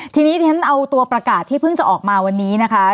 ทีนี้ที่ฉันเอาตัวประกาศที่เพิ่งจะออกมาวันนี้นะคะ